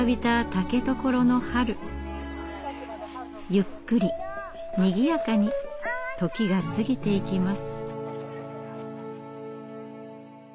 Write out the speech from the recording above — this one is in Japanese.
ゆっくりにぎやかに時が過ぎていきます。